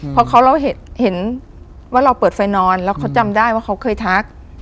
เพราะเราเห็นว่าเราเปิดไฟนอนแล้วเขาจำได้ว่าเขาเคยทัก